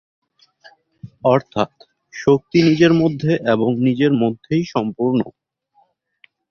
অর্থাৎ, শক্তি নিজের মধ্যে এবং নিজের মধ্যেই সম্পূর্ণ।